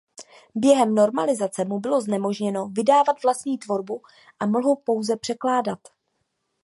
Během normalizace mu bylo znemožněno vydávat vlastní tvorbu a mohl pouze překládat.